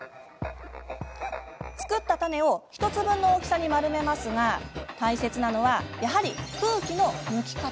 作ったタネを１つ分の大きさに丸めますが大切なのは、やはり空気の抜き方。